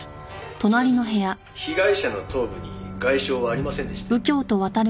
「ちなみに被害者の頭部に外傷はありませんでしたよ」